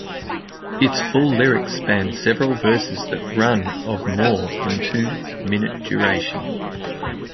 Its full lyrics span several verses that run of more than two minute duration.